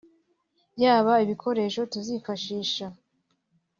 yaba ibikoresho tuzifashisha